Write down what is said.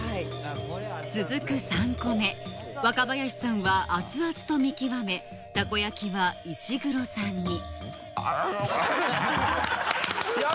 続く３個目若林さんは熱々と見極めたこ焼きは石黒さんにあっ。